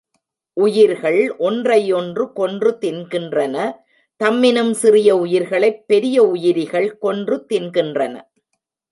உயிர்கள் ஒன்றை ஒன்று கொன்று தின்கின்றன தம்மினும் சிறிய உயிரிகளைப் பெரிய உயிரிகள் கொன்று தின்கின்றன.